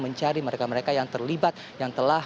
mencari mereka mereka yang terlibat yang telah